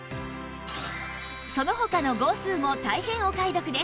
その他の号数も大変お買い得です